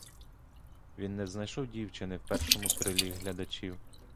Він не знайшов дівчини в першому крилі глядачів.